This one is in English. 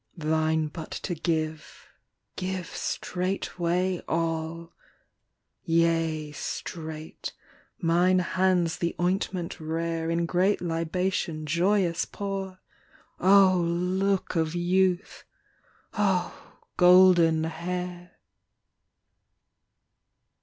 Thine but to give. Give straightway all. Yea, straight, mine hands the ointment rare In great libation joyous pour! Oh, look of youth. ... Oh, golden hair.